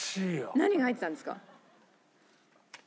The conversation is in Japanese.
何が入ってたんですか？